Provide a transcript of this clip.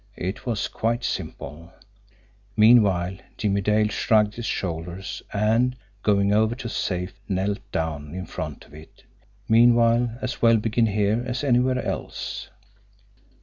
It was quite simple! Meanwhile Jimmie Dale shrugged his shoulders, and, going over to the safe, knelt down in front of it meanwhile, as well begin here as anywhere else.